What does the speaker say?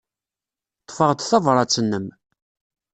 Ḍḍfeɣ-d tabṛat-nnem.